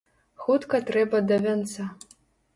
Хутка трэба да вянца.